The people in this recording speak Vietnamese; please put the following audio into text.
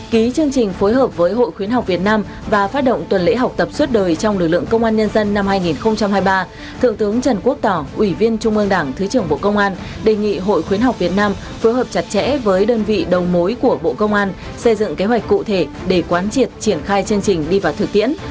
ký chương trình phối hợp với hội khuyến học việt nam và phát động tuần lễ học tập suốt đời trong lực lượng công an nhân dân năm hai nghìn hai mươi ba thượng tướng trần quốc tỏ ủy viên trung ương đảng thứ trưởng bộ công an đề nghị hội khuyến học việt nam phối hợp chặt chẽ với đơn vị đầu mối của bộ công an xây dựng kế hoạch cụ thể để quán triệt triển khai chương trình đi vào thực tiễn